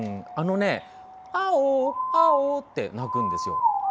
あお、あおって鳴くんですよ。